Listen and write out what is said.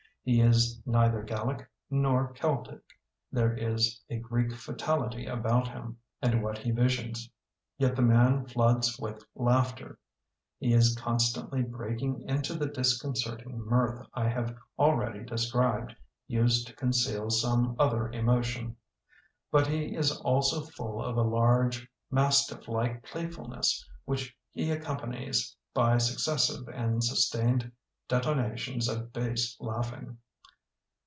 He is neither Gallic nor Celtic. There is a Greek fatality about him and what he visions. Yet the man floods with laughter. He is constantly breaking into the disconcerting mirth I have already described, used to conceal some other emotion. But he is also full of a large, mastifflike playfulness which he accompanies by successive and sus tained detonations of bass laughing.